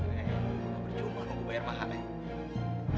eh berjumlah dong gue bayar mahal ya